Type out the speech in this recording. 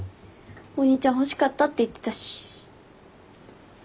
お兄ちゃん欲しかったって言ってたし。